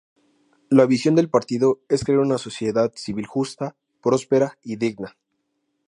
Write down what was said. La visión del partido es crear una sociedad civil justa, próspera y digna.